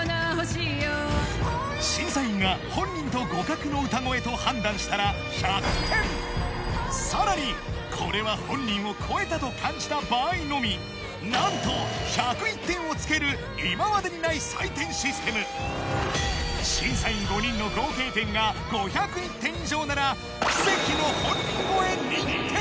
審査員が本人と互角の歌声と判断したら１００点さらにこれは本人を超えたと感じた場合のみなんと１０１点を付ける今までにない採点システム審査員５人の合計点が５０１点以上なら奇跡の本人超え認定！